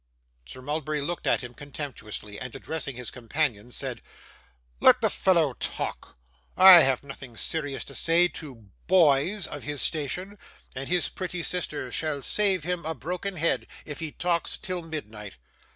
Sir Mulberry looked at him contemptuously, and, addressing his companions, said 'Let the fellow talk, I have nothing serious to say to boys of his station; and his pretty sister shall save him a broken head, if he talks till midnight.